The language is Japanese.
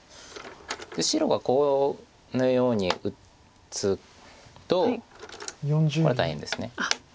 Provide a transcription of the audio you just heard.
白がこのように打つとこれは大変です。